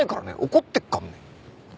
怒ってるからね！